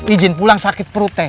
ijin pulang sakit perutnya